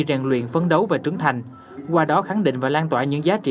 rèn luyện phấn đấu và trưởng thành qua đó khẳng định và lan tỏa những giá trị